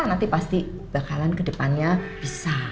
nanti pasti bakalan kedepannya bisa